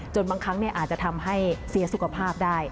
บางครั้งอาจจะทำให้เสียสุขภาพได้